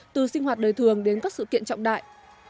từ sinh hoạt đời thường đến các sự kiện trọng đại